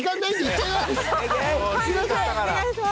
お願いします。